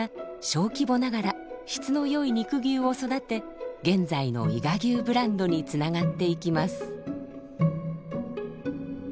小規模ながら質の良い肉牛を育て現在の伊賀牛ブランドにつながっていきます。